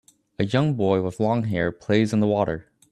A young boy with long hair plays in the water